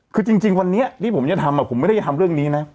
คือจริงวันนี้ที่ผมจะทำผมไม่ได้จะทำเรื่องนี้นะ